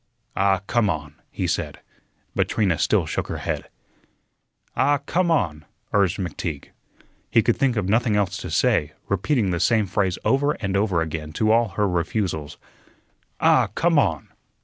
"Ah, come on," he said, but Trina still shook her head. "Ah, come on," urged McTeague. He could think of nothing else to say, repeating the same phrase over and over again to all her refusals. "Ah, come on!